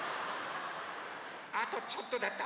あとちょっとだった。